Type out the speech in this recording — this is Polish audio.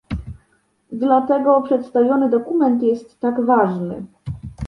Dlatego przedstawiony dokument jest tak ważny